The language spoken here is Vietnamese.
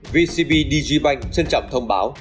vcb digibank trân trọng thông báo